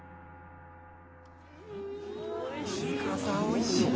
おいしい。